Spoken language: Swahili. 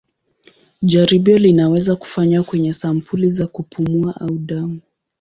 Jaribio linaweza kufanywa kwenye sampuli za kupumua au damu.